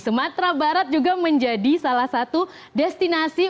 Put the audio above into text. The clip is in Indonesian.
sumatera barat juga menjadi salah satu destinasi